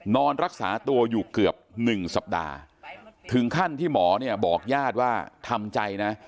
นอนรักษาตัวอยู่เกือบหนึ่งสัปดาห์ถึงขั้นที่หมอเนี่ยบอกญาติว่าทำใจนะ